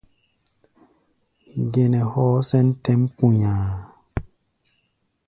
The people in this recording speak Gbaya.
Gɛnɛ hɔɔ́ sɛ̌n tɛ̌ʼm kpu̧nya̧a̧.